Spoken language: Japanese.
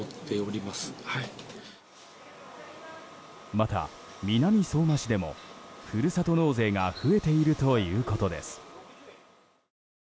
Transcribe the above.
また、南相馬市でもふるさと納税が増えているということです。